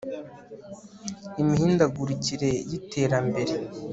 Imihindagurikire yiterambere